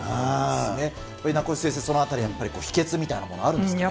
名越先生、そのあたり、やっぱり秘けつみたいなものはあるんですかね？